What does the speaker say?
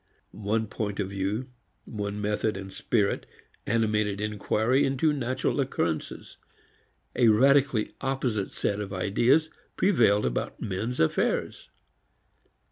One point of view, one method and spirit animated inquiry into natural occurrences; a radically opposite set of ideas prevailed about man's affairs.